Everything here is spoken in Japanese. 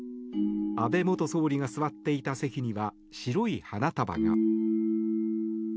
安倍元総理が座っていた席には白い花束が。